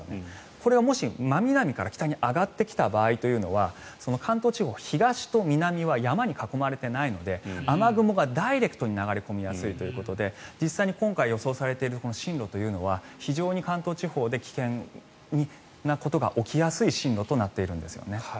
これがもし、真南から北に上がってきた場合というのは関東地方は東と南は山に囲まれていないので雨雲がダイレクトに流れ込みやすいということで実際に今回、予想されている進路というのは非常に関東地方で危険なことが起きやすい進路となっているんですよね。